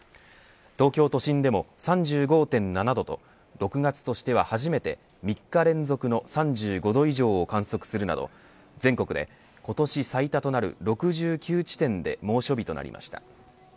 東京都心でも３５．７度と６月としては初めて３日連続の３５度以上を観測するなど全国で今年最多となる６９地点で猛暑日となりました。